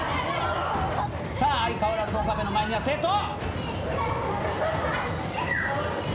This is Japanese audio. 相変わらず岡部の前には生徒！